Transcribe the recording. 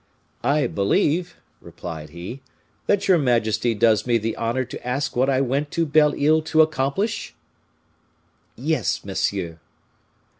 "I believe," replied he, "that your majesty does me the honor to ask what I went to Belle Isle to accomplish?" "Yes, monsieur."